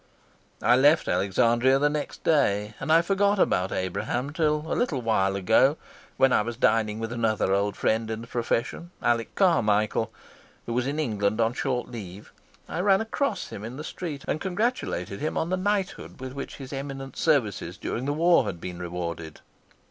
I left Alexandria next day, and I forgot about Abraham till a little while ago, when I was dining with another old friend in the profession, Alec Carmichael, who was in England on short leave. I ran across him in the street and congratulated him on the knighthood with which his eminent services during the war had been rewarded.